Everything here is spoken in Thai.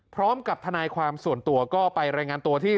พร้อมกับทนายความส่วนตัวก็ไปรายงานตัวที่